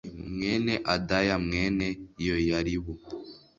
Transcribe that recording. mwene adaya mwene yoyaribu